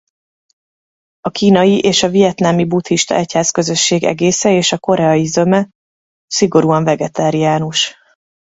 A kínai és a vietnámi buddhista egyházközösség egésze és a koreai zöme szigorúan vegetáriánus.